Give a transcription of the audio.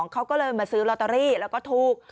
เขาก็เลยมาซื้อลอตเตอรี่แล้วก็ถูก